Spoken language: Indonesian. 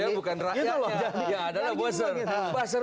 ya adalah buzzer